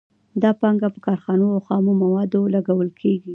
دا پانګه په کارخانو او خامو موادو لګول کېږي